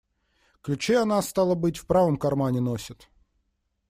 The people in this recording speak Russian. Ключи она, стало быть, в правом кармане носит.